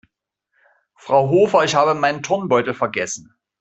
Frau Hofer, ich habe meinen Turnbeutel vergessen.